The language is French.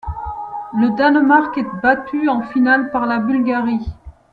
Le Danemark est battu en finale par la Bulgarie.